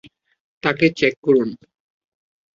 তাকে চেক করুন।